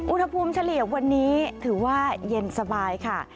อุณหภูมิเฉลี่ยวันนี้ถือว่าเย็นสบายค่ะ